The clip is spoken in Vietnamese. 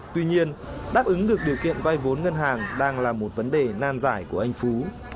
tuy nhiên đáp ứng được điều kiện vay vốn ngân hàng đang là một vấn đề nan giải của anh phú